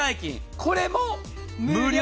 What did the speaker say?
これも無料。